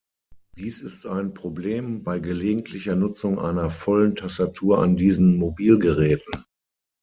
Dies ist ein Problem bei gelegentlicher Nutzung einer vollen Tastatur an diesen Mobilgeräten.